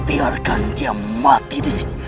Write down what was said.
biarkan dia mati disini